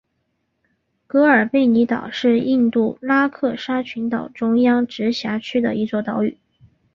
格尔贝尼岛是印度拉克沙群岛中央直辖区的一座岛屿。